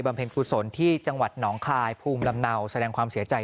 เพลงกุศลที่จังหวัดหนองคายภูมิลำเนาแสดงความเสียใจ